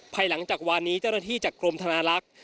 ภายหลังจากวานนี้เจ้าหน้าที่จากกรมธนาลักษณ์